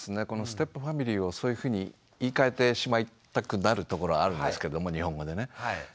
このステップファミリーをそういうふうに言いかえてしまいたくなるところあるんですけども日本語でね。